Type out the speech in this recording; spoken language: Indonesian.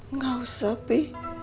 nggak usah pi